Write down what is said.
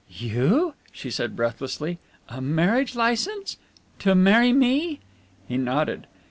"You?" she said breathlessly. "A marriage licence? To marry me?" He nodded.